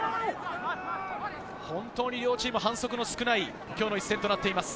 本当に両チーム反則の少ない今日の一戦となっています。